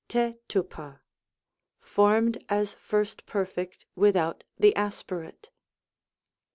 rt rvTi a, formed as 1st Perfect without the aspirate.